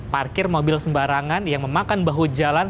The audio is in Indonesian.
parkir mobil sembarangan yang memakan bahu jalan